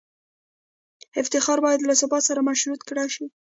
افتخار یې باید له ثبات سره مشروط کړای شي.